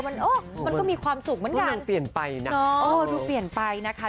มันก็มีความสุขเหมือนกัน